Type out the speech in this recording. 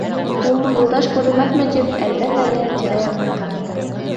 Ул, Юлдаш күренмәҫме тип, әлдән-әле тирә-яғына ҡаранды.